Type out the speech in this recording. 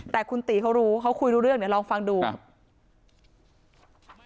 แต่คุณตีเขารู้เขาคุยรู้เรื่องเดี๋ยวลองฟังดูครับ